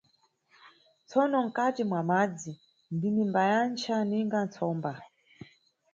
Tsono mkati mwa madzi ndinimbayancha ninga tsomba!